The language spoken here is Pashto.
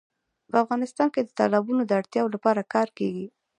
په افغانستان کې د تالابونو د اړتیاوو لپاره کار کېږي.